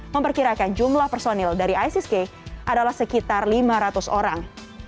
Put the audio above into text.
memperkirakan jumlah personil dari isis k adalah sekitar lima ratus orang